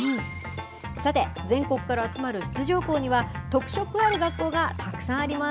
さて、全国から集まる出場校には、特色ある学校がたくさんあります。